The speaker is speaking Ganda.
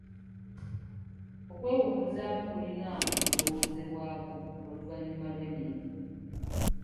Okwewummuzaamu kulina kulowoozebwako oluvannyuma lw'emirimu.